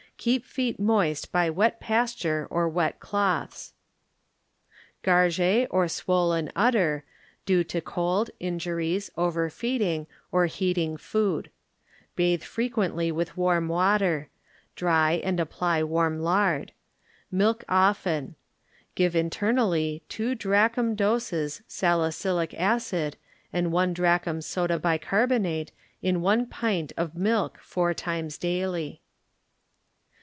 Keep feet moist by wet pasture or wet Garget or SwoixEif Udder, due to cold, injuries, overfeeding or heating food. Bathe frequently with warm water; dry, and apply wariti lard. Milk often. Give internally two drachm doses salicylic acid and one drachm soda bicarbonate in one pint of milk four times daily.